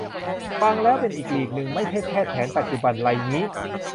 ฟังแล้วเป็นอีกลีกนึง ไม่ใช่แพทย์แผนปัจจุบันไรงี้